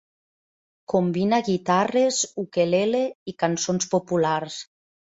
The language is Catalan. Combina guitarres, ukelele i cançons populars.